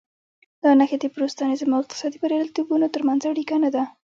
دا نښې د پروتستانېزم او اقتصادي بریالیتوبونو ترمنځ اړیکه نه ده.